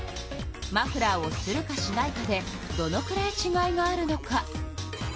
マフラーをするかしないかでどのくらいちがいがあるのか。